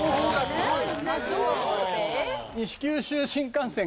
すごい。